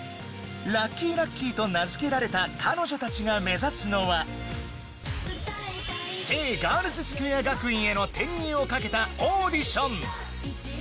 Ｌｕｃｋｙと名付けられた彼女たちが目指すのは聖ガールズスクエア学院への転入をかけたオーディション。